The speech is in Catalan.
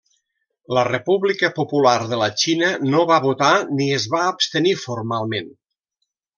La República Popular de la Xina no va votar ni es va abstenir formalment.